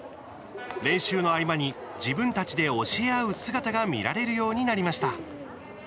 練習の合間に自分たちで教え合う姿が見られるようになりました。